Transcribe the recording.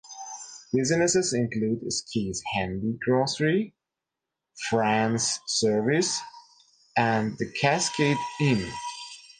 Businesses include Ski's Handy Grocery, Fran's Service and the Cascade Inn.